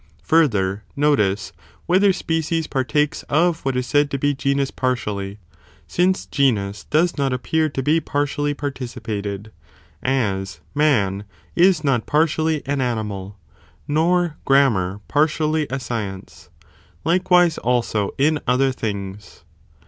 Further, (notice) whether species partakes of τ, βρδοίες what is said to be genus partially, since genus ought to par does net appear to be partially participated, as resdien ite man is not partially an animal, nor grammar par fon guodam tially a science, likewise also, in other things.